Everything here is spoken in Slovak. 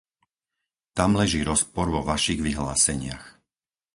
Tam leží rozpor vo vašich vyhláseniach.